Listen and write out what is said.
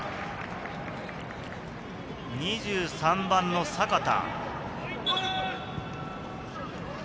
２３番の坂田。